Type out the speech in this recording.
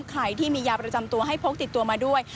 ใครที่มียาประจำตัวให้พกติดตัวมาด้วย